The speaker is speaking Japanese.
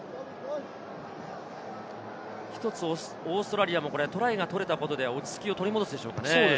１つオーストラリアもトライが取れたことで落ち着きを取り戻すでしょうかね。